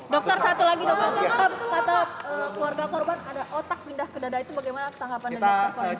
dokter satu lagi dok kata keluarga korban ada otak pindah ke dada itu bagaimana tanggapan dari persoalan